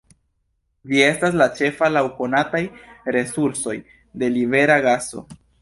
Ĝi estas la ĉefa laŭ konataj resursoj de libera gaso.